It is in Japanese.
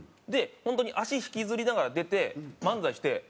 で本当に足引きずりながら出て漫才して。